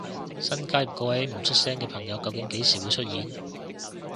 新加入嗰位唔出聲嘅朋友究竟幾時會出現？